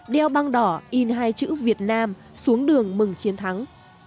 đeo băng đỏ in hai chữ việt nam xuống đường mừng chiến thắng